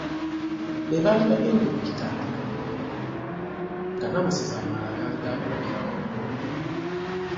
Be baali bagenda okukitandika nga n’amasaza amalala gaali gaakulabira okwo.